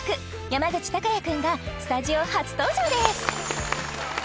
山口貴也君がスタジオ初登場です